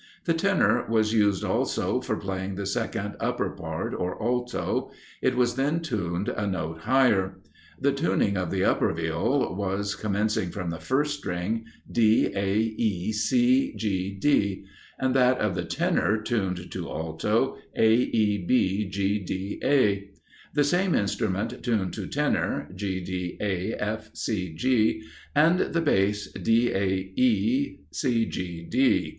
The Tenor was used also for playing the second upper part, or Alto; it was then tuned a note higher: the tuning of the upper Viol was, commencing from the first string, D, A, E, C, G, D; that of the Tenor tuned to Alto, A, E, B, G, D, A; the same instrument tuned to Tenor, G, D, A, F, C, G; and the Bass, D, A, E, C, G, D.